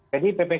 jadi ppkm mikro